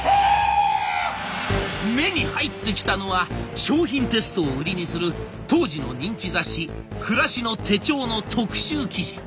目に入ってきたのは商品テストを売りにする当時の人気雑誌「暮しの手帖」の特集記事。